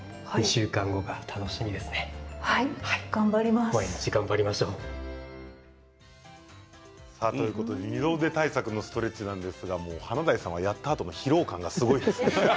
すごい。二の腕対策のストレッチなんですが華大さんは、やったあとの疲労感がすごいですね。